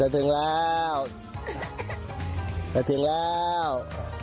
มาถึงแล้วมาถึงแล้ว